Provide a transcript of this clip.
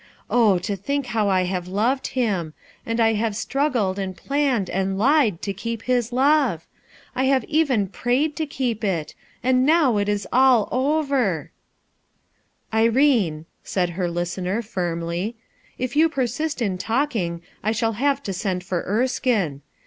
Oh, to think how I have loved him! and I have struggled and planned and lied to keep his love ! I have even prayed to keep it! and now it is all overl" "Irene, 51 said her listener, firmly, "If y OU persist in talking, I shall have to send for Er skinc.